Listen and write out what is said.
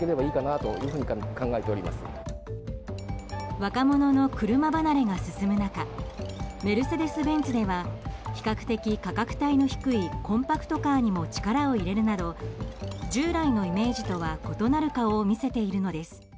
若者の車離れが進む中メルセデス・ベンツでは比較的、価格帯の低いコンパクトカーにも力を入れるなど従来のイメージとは異なる顔を見せているのです。